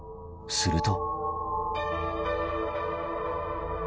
すると。